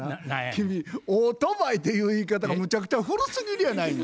君オートバイっていう言い方がむちゃくちゃ古すぎるやないの。